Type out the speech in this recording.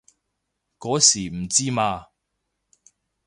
嗰時唔知嘛